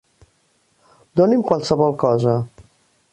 -, doni'm qualsevol cosa.